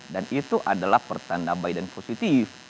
dan itu adalah pertanda baik dan positif